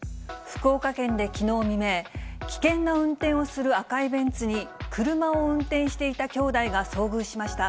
福岡県できのう未明、危険な運転をする赤いベンツに、車を運転していた兄弟が遭遇しました。